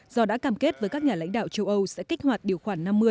do đã cam kết với các nhà lãnh đạo châu âu sẽ kích hoạt điều khoản năm mươi